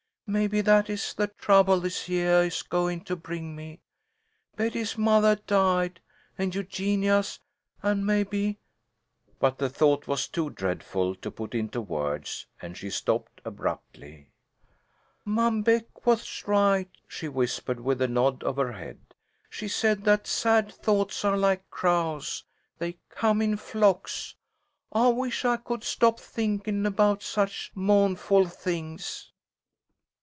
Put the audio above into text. Maybe that is the trouble this yeah is goin' to bring me. Betty's mothah died, and Eugenia's, and maybe" but the thought was too dreadful to put into words, and she stopped abruptly. "Mom Beck was right," she whispered with a nod of her head. "She said that sad thoughts are like crows. They come in flocks. I wish I could stop thinkin' about such mou'nful things."